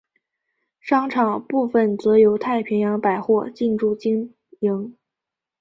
商场部份则由太平洋百货进驻经营。